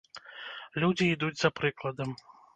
Людзі ідуць за прыкладам.